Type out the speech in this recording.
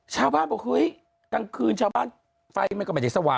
ชาวบ้านบอกเฮ้ยกลางคืนชาวบ้านไฟมันก็ไม่ได้สว่าง